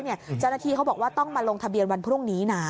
เจ้าหน้าที่เขาบอกว่าต้องมาลงทะเบียนวันพรุ่งนี้นะ